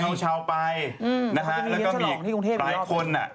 แล้วก็มีหลายคน